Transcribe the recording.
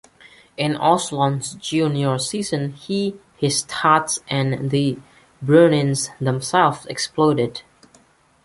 In Olson's junior season, he, his stats, and the Bruins themselves exploded.